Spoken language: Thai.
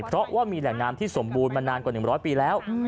เพราะว่ามีแหล่งน้ำที่สมบูรณ์มานานกว่า๑๐๐ปีแล้ว